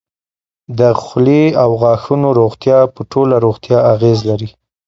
د خولې او غاښونو روغتیا په ټوله روغتیا اغېز لري.